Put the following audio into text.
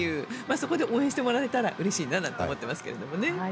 そこで応援してもらえたらうれしいななんて思いますね。